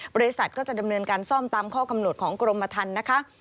บริษัทก็จะดำเนินการซ่อมตามข้อกำหนดของกรมทันนะคะ